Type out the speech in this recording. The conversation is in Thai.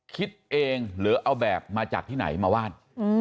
คิดเองหรือเอาแบบมาจากที่ไหนมาวาด